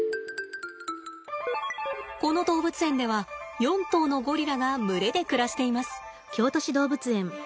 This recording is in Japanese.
この動物園では４頭のゴリラが群れで暮らしています。